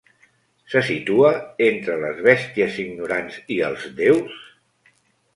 Se situa entre les bèsties ignorants i els déus?